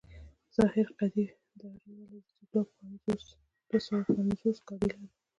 ظاهر قدير دوړې ولي چې زه دوه سوه پينځوس ګاډي لرم.